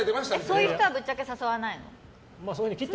そういう人はぶっちゃけ誘わないの？